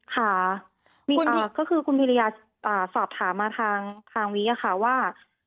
ค่ะก็คือคุณพิริยาสอบถามมาทางนี้ค่ะว่า